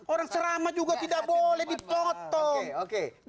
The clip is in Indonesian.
orang ceramah juga tidak boleh dipotong